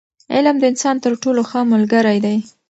علم د انسان تر ټولو ښه ملګری دی.